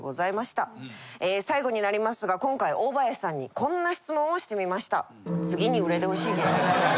最後になりますが今回大林さんにこんな質問をしてみました。